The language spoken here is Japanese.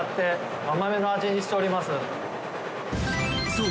［そう。